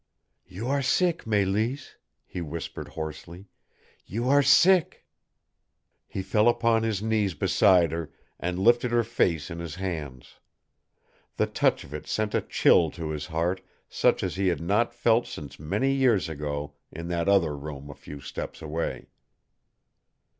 "You are sick, Mélisse," he whispered hoarsely. "You are sick!" He fell upon his knees beside her, and lifted her face in his hands. The touch of it sent a chill to his heart such as he had not felt since many years ago, in that other room a few steps away.